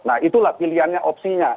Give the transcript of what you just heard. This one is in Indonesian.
nah itulah pilihan opsinya